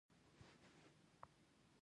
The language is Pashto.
د بېوزلو لاسنیوی د انسانیت نښه ده.